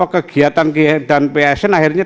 kegiatan dan psn akhirnya